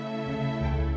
aku ingin berp yearl